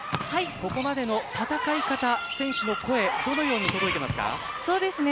ここまでの戦い方選手の声どのように届いていますか？